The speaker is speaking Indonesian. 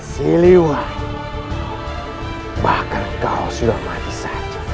siliwan bahkan kau sudah mati saja